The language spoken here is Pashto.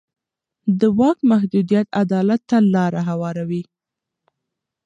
د واک محدودیت عدالت ته لاره هواروي